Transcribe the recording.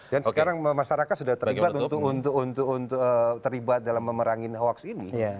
dan sekarang masyarakat sudah terlibat untuk terlibat dalam memerangin awaks ini